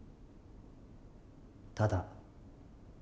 ただ？